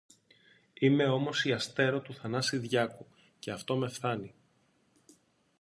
Είμαι όμως η Αστέρω του Θανάση Διάκου, και αυτό με φθάνει